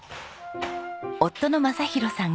夫の昌弘さん